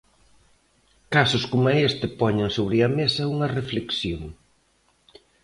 Casos coma este poñen sobre a mesa unha reflexión.